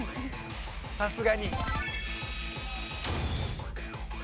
さすがに。